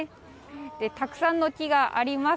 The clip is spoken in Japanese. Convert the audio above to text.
たくさんの木があります。